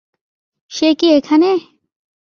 সে কি এখানে?